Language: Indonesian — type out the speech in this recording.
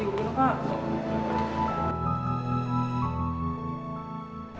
itu juga penumpang